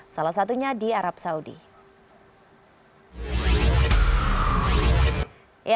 salah satunya di arab saudi